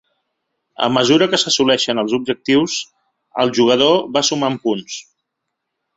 A mesura que s’assoleixen els objectius, el jugador va sumant punts.